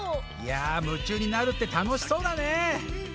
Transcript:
いや夢中になるってたのしそうだね！